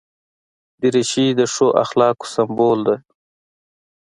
دریشي د ښو اخلاقو سمبول ده.